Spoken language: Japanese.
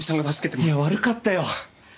いや悪かったよ